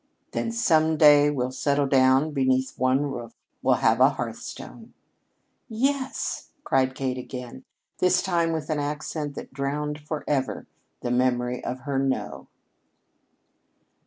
"Then some day we'll settle down beneath one roof we'll have a hearthstone." "Yes," cried Kate again, this time with an accent that drowned forever the memory of her "no."